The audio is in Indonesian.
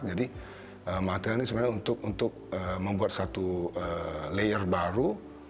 jadi manfaatnya ini sebenarnya untuk membuat satu layer baru